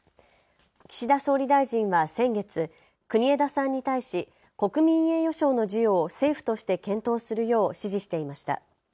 岸田総理大臣は先月、国枝さんに対し国民栄誉賞の授与を政府として検討するよう指示していました。